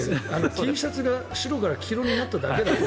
Ｔシャツが白から黄色になっただけ。